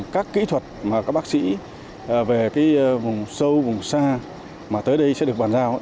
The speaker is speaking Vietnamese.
các kỹ thuật mà các bác sĩ về vùng sâu vùng xa mà tới đây sẽ được bàn giao